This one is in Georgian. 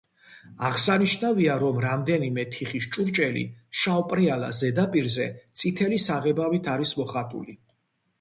აღსანიშნავია, რომ რამდენიმე თიხის ჭურჭელი შავპრიალა ზედაპირზე წითელი საღებავით არის მოხატული.